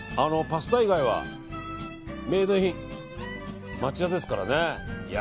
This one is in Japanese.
パスタ以外はメイドイン町田ですからね。